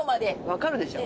わかるでしょ！